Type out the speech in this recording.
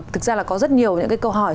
thực ra là có rất nhiều câu hỏi